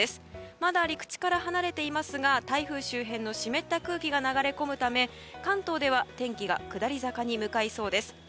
まだ陸地から離れていますが台風周辺の湿った空気が流れ込むため、関東では天気が下り坂に向かいそうです。